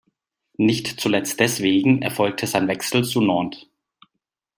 Nicht zuletzt deswegen erfolgte sein Wechsel zu Nantes.